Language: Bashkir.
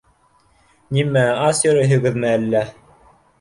— Нимә, ас йөрөйһөгөҙмө әллә?